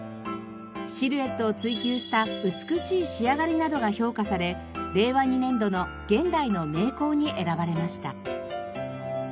シルエットを追求した美しい仕上がりなどが評価され令和２年度の現代の名工に選ばれました。